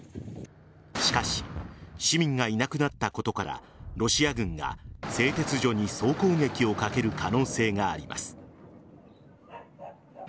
しかし市民がいなくなったことからロシア軍が製鉄所に総攻撃をかける可能性があります。